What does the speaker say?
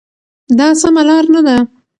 دا سمه لار نه ده.